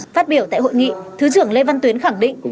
phát biểu tại hội nghị thứ trưởng lê văn tuyến khẳng định